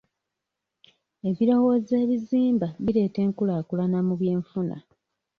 Ebirowoozo ebizimba bireeta enkulaakulana mu by'enfuna.